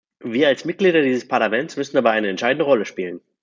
Wir als Mitglieder dieses Parlaments müssen dabei eine entscheidende Rolle spielen.